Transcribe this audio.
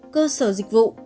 cơ sở dịch vụ